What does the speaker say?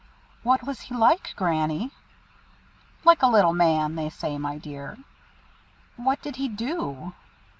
"What was he like, Granny?" "Like a little man, they say, my dear." "What did he do?"